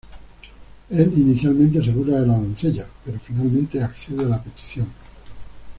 Él, inicialmente, se burla de la doncella, pero finalmente accede a la petición.